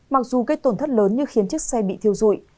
mặc dù gây tổn thất lớn như khiến chiếc xe bị thiêu dụi